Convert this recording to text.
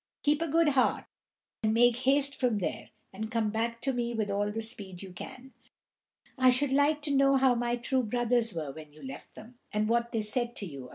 Keep a good heart, and make haste from there, and come back to me with all the speed you can. I should like to know how my two brothers were when you left them, and what they said to you about me."